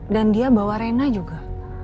dan dia bawa rena juga